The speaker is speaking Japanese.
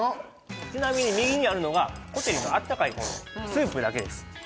ちなみに右にあるのがコテリの温かい方のスープだけです